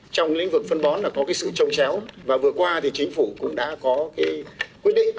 trong lĩnh vực phân bón có sự trông chéo và vừa qua chính phủ cũng đã có quyết định